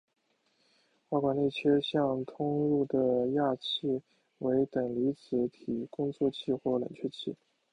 外管内切向通入的氩气为等离子体工作气或冷却气。